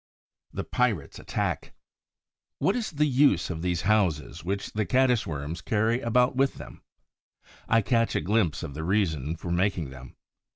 THE PIRATES' ATTACK What is the use of these houses which the Caddis worms carry about with them? I catch a glimpse of the reason for making them.